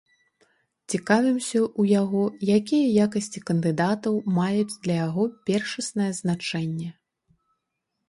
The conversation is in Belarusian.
Цікавімся ў яго, якія якасці кандыдатаў маюць для яго першаснае значэнне.